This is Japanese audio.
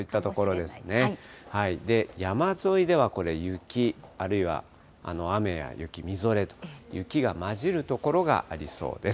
で、山沿いではこれ、雪、あるいは雨や雪、みぞれと、雪が混じる所がありそうです。